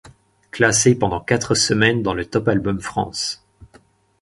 Classés pendant quatre semaines dans le Top Albums France.